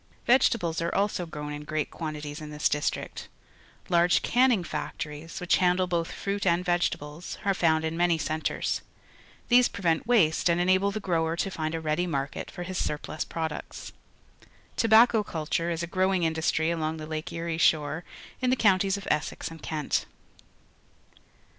_Vegetables ^re also grown in great quantities in thi s dis tric t. Large canning factories, which handle both fruit and vegetables, are found in many centres. These prevent waste and en able the grower to find a ready market for his surplus products. To bacco culture is a grow ing industry along the Lake Erie shore in the counties of Essex and Kent.